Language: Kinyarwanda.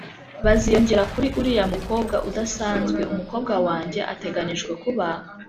baziyongera kuri uriya mukobwa udasanzwe, umukobwa wanjye ateganijwe kuba